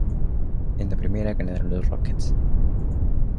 En la primera ganaron los Rockets.